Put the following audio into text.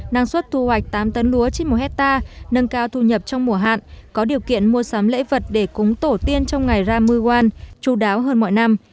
năng suất thu hoạch tám tấn lúa trên một hectare nâng cao thu nhập trong mùa hạn có điều kiện mua sắm lễ vật để cúng tổ tiên trong ngày ramuwan chú đáo hơn mọi năm